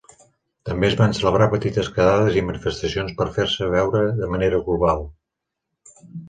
També es van celebrar petites quedades i manifestacions per fer-se veure de manera global.